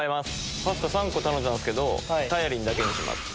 パスタ３個頼んだんですけど、タヤリンだけにします。